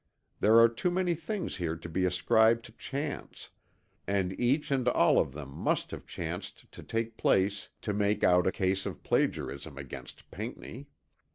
There are too many things here to be ascribed to chance; and each and all of them must have chanced to take place to make out a case of plagiarism against Pinckney.